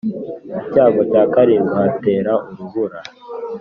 Icyago cya karindwi hatera urubura